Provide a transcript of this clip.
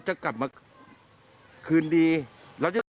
จะเอาเงินที่ไหนจ่าย